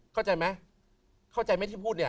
เข้าใจมั้ยเข้าใจมั้ยที่พูดเนี่ย